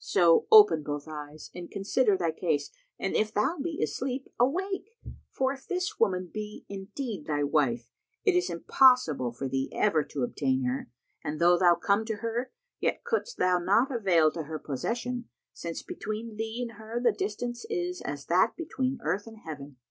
So open both eyes and consider thy case; and if thou be asleep, awake; for, if this woman be indeed thy wife, it is impossible for thee ever to obtain her, and though thou come to her, yet couldst thou not avail to her possession, since between thee and her the distance is as that between earth and Heaven.